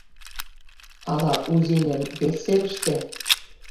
Ала Узеньын вес серыште?